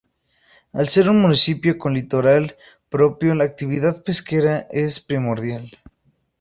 Al ser un municipio con litoral propio la actividad pesquera es primordial.